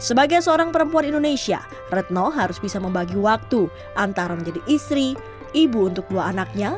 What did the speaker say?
sebagai seorang perempuan indonesia retno harus bisa membagi waktu antara menjadi istri ibu untuk dua anaknya